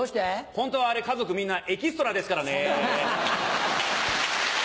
ホントはあれ家族みんなエキストラですからね。